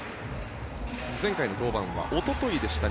前回の登板はおとといでした。